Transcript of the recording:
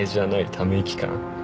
ため息感